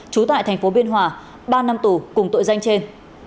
trú tại thành phố biên hòa ba năm tù cùng tội danh trên